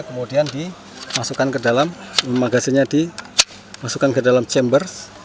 kemudian dimasukkan ke dalam memang gasingnya dimasukkan ke dalam chamber